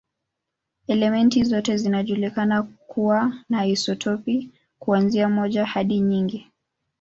Elementi zote zinajulikana kuwa na isotopi, kuanzia moja hadi nyingi.